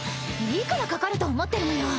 いくらかかると思ってるのよ。